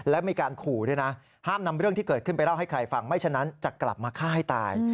แล้วยังมีการข่าว